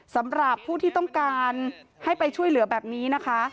สำหรับผู้ที่ต้องการให้ไปช่วยเหลือแบบนี้นะคะ